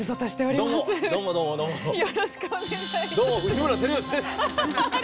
どうも、内村光良です。